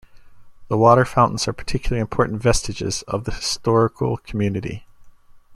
The water fountains are particularly important vestiges of the historical community.